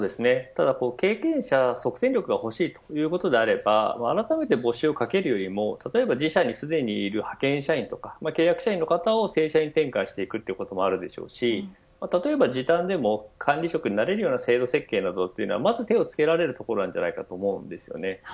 ただ、経験者即戦力が欲しいということであればあらためて募集をかけるよりも例えば自社にすでにいる派遣社員とか契約社員の方を正社員転換していくこともあるでしょうし例えば時短でも管理職になれるような制度設計などまず手をつけられるところだと思います。